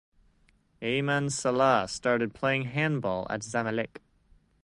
Ayman Salah started playing handball at Zamalek.